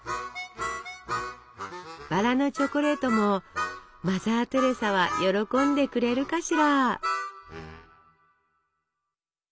バラのチョコレートもマザー・テレサは喜んでくれるかしら？